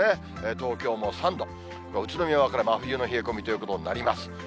東京も３度、宇都宮は真冬の冷え込みということになります。